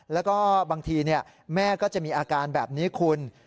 แล้วก็บางทีแม่ก็จะมีอาการแบบนี้คุณ